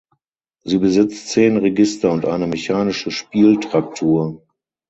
Sie besitzt zehn Register und eine mechanische Spieltraktur.